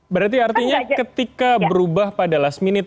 berarti artinya ketika berubah pada last minute